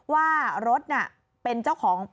ว่ารถน่ะเป็นเจ้าของ